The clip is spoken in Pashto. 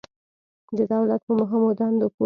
د دولت په مهمو دندو پوه شئ.